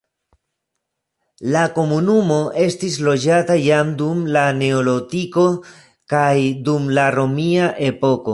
La komunumo estis loĝata jam dum la neolitiko kaj dum la romia epoko.